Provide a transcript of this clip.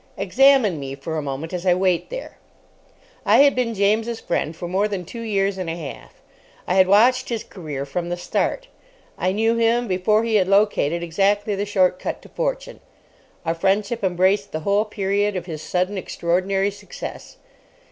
Examine me for a moment as I wait there. I had been James' friend for more than two years and a half. I had watched his career from the start. I knew him before he had located exactly the short cut to Fortune. Our friendship embraced the whole period of his sudden, extraordinary success.